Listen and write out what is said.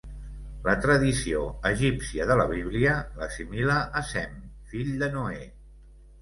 La tradició egípcia de la Bíblia l'assimila a Sem, fill de Noè.